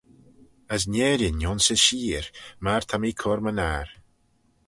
As Nerin ayns y sheear myr ta mee cur-my-ner.